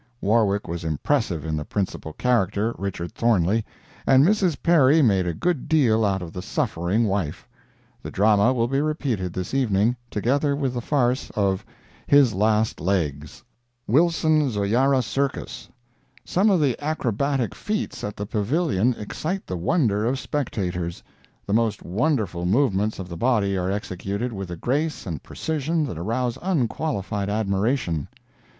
Warwick was impressive in the principal character, Richard Thornley; and Mrs. Perry made a good deal out of the suffering wife. The drama will be repeated this evening, together with the farce of "His Last Legs." WILSON ZOYARA CIRCUS.—Some of the acrobatic feats at the pavilion excite the wonder of spectators. The most wonderful movements of the body are executed with a grace and precision that arouse unqualified admiration.